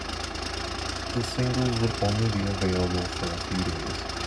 The singles would only be available for a few days.